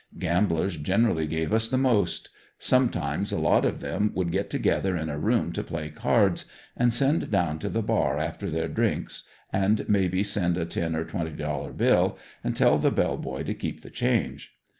Gamblers generally gave us the most; sometimes a lot of them would get together in a room to play cards and send down to the bar after their drinks and may be send a ten or twenty dollar bill and tell the bell boy to keep the change.